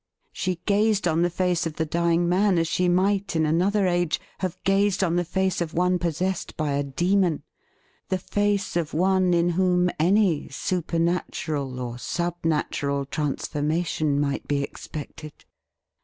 She gazed on the face of the dying man as she might, in another age, have gazed on the face of one possessed by a demon — the face of one in whom any supernatural or subnatural transformation might be ex pected.